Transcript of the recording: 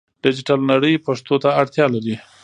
ډیجیټل نړۍ پښتو ته اړتیا لري.